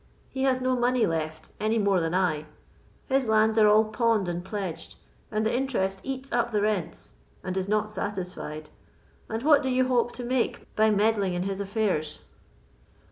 He has no money left, any more than I; his lands are all pawned and pledged, and the interest eats up the rents, and is not satisfied, and what do you hope to make by meddling in his affairs?"